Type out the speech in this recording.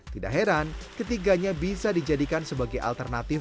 tidak heran ketiganya bisa dijadikan sebagai alternatif